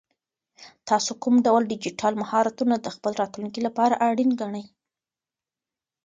تاسو کوم ډول ډیجیټل مهارتونه د خپل راتلونکي لپاره اړین ګڼئ؟